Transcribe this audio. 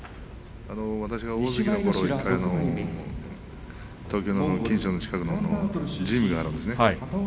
私が大関のころ東京の錦糸町の近くのジムがあるんですね。